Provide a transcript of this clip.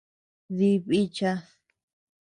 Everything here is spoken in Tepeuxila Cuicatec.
Dí bíchad.